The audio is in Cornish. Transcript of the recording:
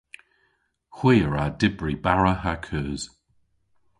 Hwi a wra dybri bara ha keus.